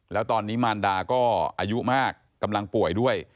แล้วตอนนี้มารดาก็อายุมากกำลังป่วยด้วย